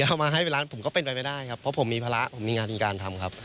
เอามาให้เป็นร้านผมก็เป็นไปไม่ได้ครับเพราะผมมีภาระผมมีงานมีการทำครับ